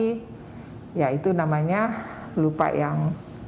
jadi ya itu namanya lupa yang